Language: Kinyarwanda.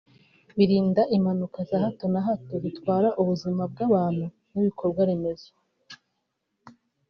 birinda impanuka za hato na hato zitwara ubuzima bw’abantu n’ibikorwaremezo